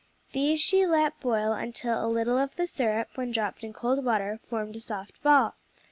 These she let boil until a little of the syrup, when dropped in cold water, formed a soft ball.